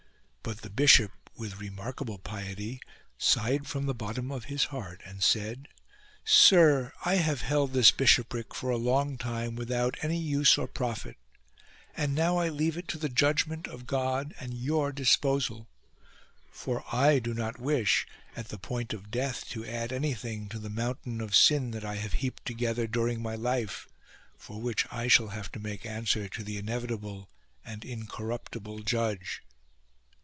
But the bishop, with remarkable piety, sighed from the bottom of his heart and said :" Sire, I have held this bishopric for a long time without any use or profit ; and now I leave it to the judgment of God and your disposal. For I do not wish, at the point of death, to add anything to the mountain of sin that I have heaped together during my life, for which I shall have to make answer to the inevitable and in corruptible Judge."